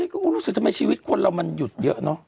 ก็รู้สึกทำไมชีวิตคนเรามันหยุดเยอะเนอะ